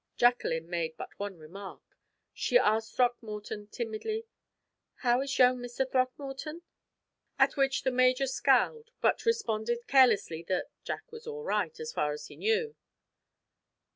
Jacqueline made but one remark. She asked Throckmorton, timidly: "How is young Mr. Throckmorton?" At which the major scowled, but responded carelessly that Jack was all right, as far as he knew.